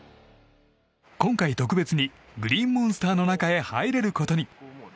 今回、特別にグリーンモンスターの中へ入れることに。